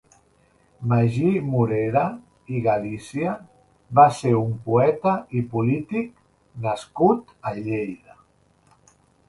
Magí Morera i Galícia va ser un poeta i polític nascut a Lleida.